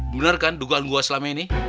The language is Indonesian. bener kan dugaan gue selama ini